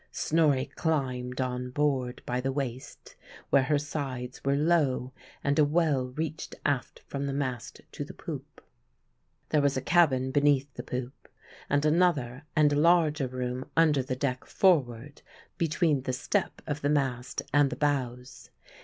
Snorri climbed on board by the waist, where her sides were low and a well reached aft from the mast to the poop. There was a cabin beneath the poop, and another and larger room under the deck forward, between the step of the mast and the bows.